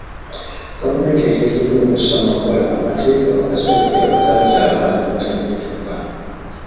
Gavumenti eteekeddwa okussa mu nkola amateeka ku basajja abaganza abaana abatanneetuuka.